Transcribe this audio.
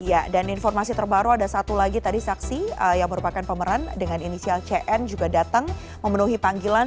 ya dan informasi terbaru ada satu lagi tadi saksi yang merupakan pemeran dengan inisial cn juga datang memenuhi panggilan